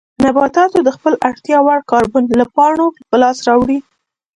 نباتاتو د خپلې اړتیا وړ کاربن له پاڼو په لاس راوړي.